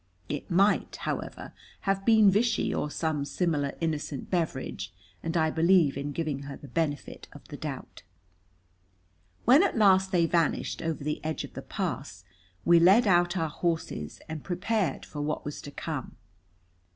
It might, however, have been vichy or some similar innocent beverage, and I believe in giving her the benefit of the doubt. When at last they vanished over the edge of the pass, we led out our horses and prepared for what was to come.